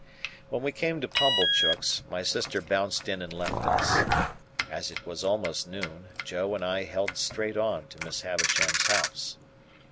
When we came to Pumblechook's, my sister bounced in and left us. As it was almost noon, Joe and I held straight on to Miss Havisham's house.